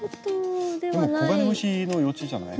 コガネムシの幼虫じゃない？